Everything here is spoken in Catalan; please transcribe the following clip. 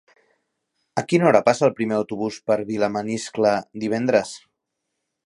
A quina hora passa el primer autobús per Vilamaniscle divendres?